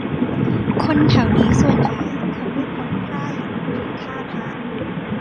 คนแถวนี้ส่วนใหญ่คงไม่พ้นไพร่หรือทาสฮะ